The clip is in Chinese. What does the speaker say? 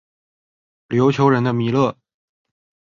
琉球人的弥勒。